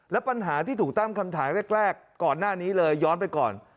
และปัญหาที่ถูกตั้งคำถามแรกก่อนหน้านี้เลยย้อนไปก่อน